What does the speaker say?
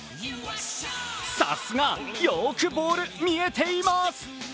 さすが、よくボール見えています。